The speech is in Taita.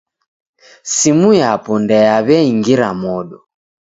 Simu yapo ndeyaw'iangira modo.